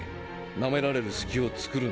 なめられる隙を作るな。